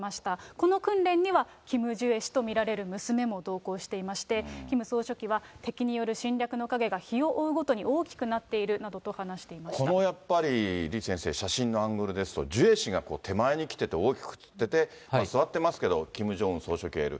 この訓練にはキム・ジュエ氏と見られる娘も同行していまして、キム総書記は、敵による侵略の影が日を追うごとに大きくなっているなどと話してこのやっぱり、李先生、写真のアングルですと、ジュエ氏が手前に来てて大きく写ってて、座ってますけど、キム・ジョンウン総書記がいる。